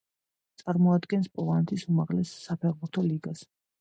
წარმოადგენს პოლონეთის უმაღლეს საფეხბურთო ლიგას.